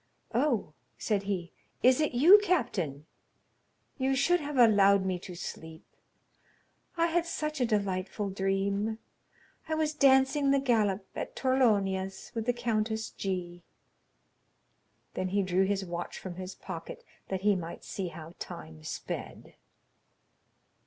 "Oh," said he, "is it you, captain? You should have allowed me to sleep. I had such a delightful dream. I was dancing the galop at Torlonia's with the Countess G——." Then he drew his watch from his pocket, that he might see how time sped.